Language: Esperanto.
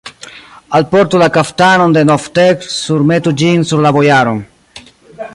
Alportu la kaftanon de Nogtev, surmetu ĝin sur la bojaron!